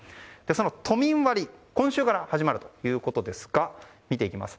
その都民割、今週から始まるということで見ていきます。